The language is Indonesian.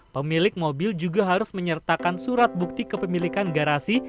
pemilik mobil juga harus menyertakan surat bukti kepemilikan garasi